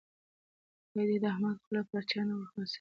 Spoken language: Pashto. خدای دې د احمد خوله پر چا نه ور خلاصوي.